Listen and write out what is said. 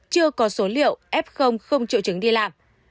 chưa có số liệu f không triệu chứng đi làm